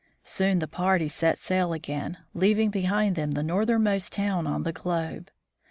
Soon the party set sail again, leaving behind them the northernmost town on the globe.